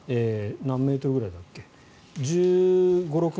何メートルぐらいだっけ。